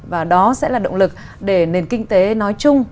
và đó sẽ là động lực để nền kinh tế nói chung